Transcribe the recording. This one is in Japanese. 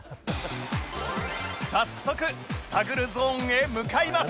早速スタグルゾーンへ向かいます